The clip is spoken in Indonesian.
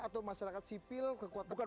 atau masyarakat sipil kekuatan